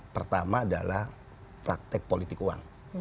pertama adalah praktek politik uang